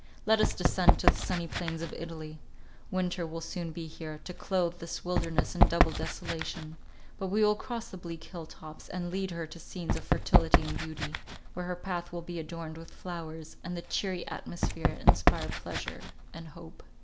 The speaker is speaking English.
Let us descend to the sunny plains of Italy. Winter will soon be here, to clothe this wilderness in double desolation; but we will cross the bleak hill tops, and lead her to scenes of fertility and beauty, where her path will be adorned with flowers, and the cheery atmosphere inspire pleasure and hope."